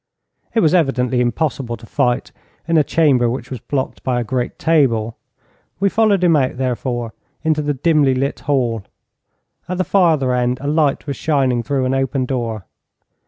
It was evidently impossible to fight in a chamber which was blocked by a great table. We followed him out, therefore, into the dimly lit hall. At the farther end a light was shining through an open door.